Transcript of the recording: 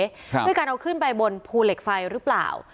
ด้วยการเอาขึ้นไปบนภูเหล็กไฟหรือเปล่า